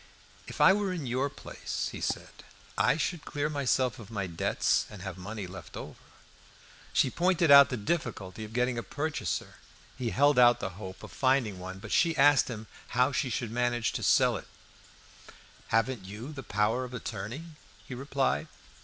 "If I were in your place," he said, "I should clear myself of my debts, and have money left over." She pointed out the difficulty of getting a purchaser. He held out the hope of finding one; but she asked him how she should manage to sell it. "Haven't you your power of attorney?" he replied.